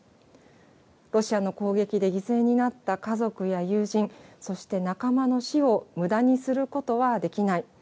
ロシアの攻撃で犠牲になった家族や友人、そして仲間の死をむだにすることはできない。